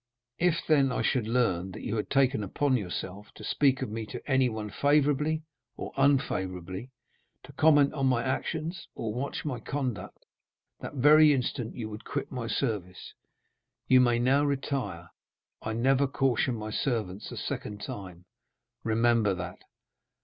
If, then, I should learn that you had taken upon yourself to speak of me to anyone favorably or unfavorably, to comment on my actions, or watch my conduct, that very instant you would quit my service. You may now retire. I never caution my servants a second time—remember that."